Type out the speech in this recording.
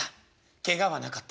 「けがはなかった？」。